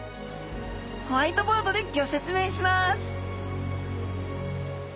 ホワイトボードでギョ説明します！